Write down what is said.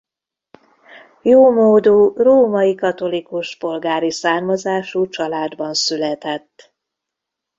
Jómódú római katolikus polgári származású családban született.